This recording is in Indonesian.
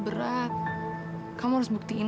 berat kamu harus buktiin